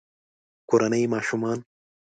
کورني ماشومان